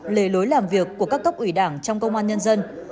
lề lối làm việc của các cấp ủy đảng trong công an nhân dân